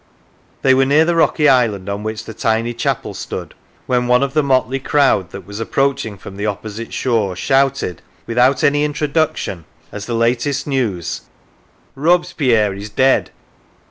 They were near the rocky island on which the tiny chapel stood, when one of the motley crowd that was approaching from the opposite shore shouted, without any introduction, as the latest news: "Robespierre is dead